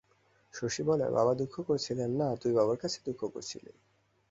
শশী বলে, বাবা দুঃখ করছিলেন, না তুই বাবার কাছে দুঃখ করছিলি?